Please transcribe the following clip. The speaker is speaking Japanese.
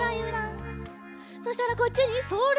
そしたらこっちにそれ！